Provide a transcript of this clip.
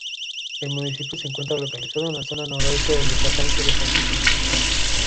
El municipio se encuentra localizado en la zona noroeste del departamento de Paysandú.